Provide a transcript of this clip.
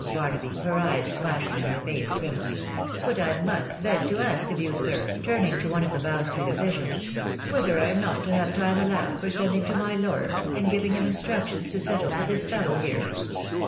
Barnaby, her eyes flashing, and her face crimson ; hut I must beg to ask of you, sir/ turning to one of the Bow street officials, " whether I am not to have time allowed for sending to my lawyer, and giving him instructions to settle with this fellow here